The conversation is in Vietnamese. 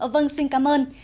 vâng xin cảm ơn